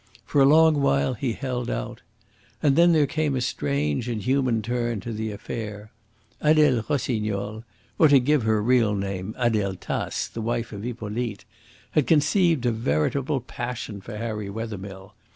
For a long while he held out. And then there came a strange and human turn to the affair. Adele Rossignol or, to give her real name, Adele Tace, the wife of Hippolyte had conceived a veritable passion for Harry Wethermill.